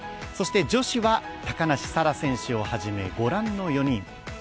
そして、女子は高梨沙羅選手をはじめ、ご覧の４人。